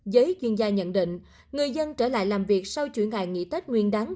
giới chuyên gia nhận định người dân trở lại làm việc sau chuỗi ngày nghỉ tết nguyên đáng